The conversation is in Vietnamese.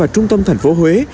trung tâm thành phố hliv